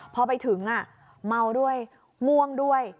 พอไปถึงเมาด้วยง่วงด้วย